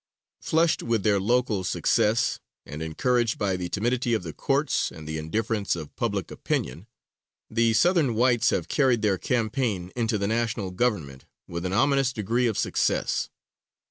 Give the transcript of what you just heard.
Flushed with their local success, and encouraged by the timidity of the Courts and the indifference of public opinion, the Southern whites have carried their campaign into the national government, with an ominous degree of success.